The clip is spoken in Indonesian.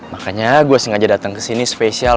makanya gue sengaja dateng kesini spesial